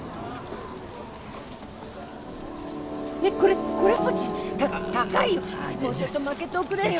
えっこれこれっぽっち？高いよもうちょっとまけておくれよ！